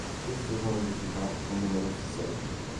Spesso sono società con numerose sedi.